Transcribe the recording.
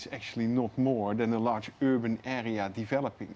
sebenarnya tidak lebih dari area urban besar yang berkembang